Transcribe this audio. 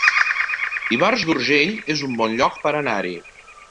Ivars d'Urgell es un bon lloc per anar-hi